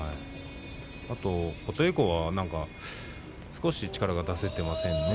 琴恵光は少し力が出せていませんね。